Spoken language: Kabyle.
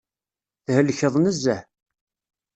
Thelkeḍ nezzeh.